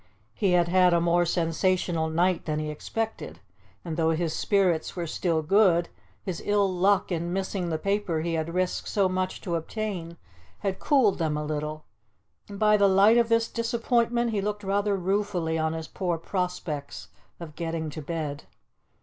He had had a more sensational night than he expected, and though his spirits were still good, his ill luck in missing the paper he had risked so much to obtain had cooled them a little, and by the light of this disappointment he looked rather ruefully on his poor prospects of getting to bed.